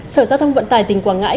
sở giao thông vận tài tỉnh quảng ngãi